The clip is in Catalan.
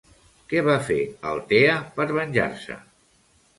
Què va fer Altea per venjar-se?